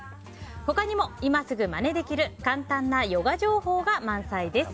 他にも、今すぐまねできる簡単なヨガ情報が満載です。